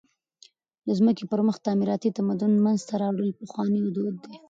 د مځکي پر مخ تعمیراتي تمدن منځ ته راوړل پخوانى دود دئ.